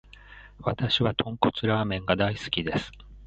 わたしは豚骨ラーメンが大好きです。